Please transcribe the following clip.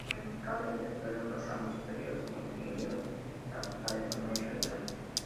Ramificada desde el suelo, los ramos superiores comprimidos, la copa de forma irregular.